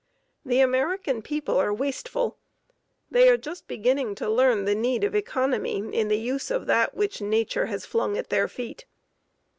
The American people are wasteful. They are just beginning to learn the need of economy in the use of that which Nature has flung at their feet.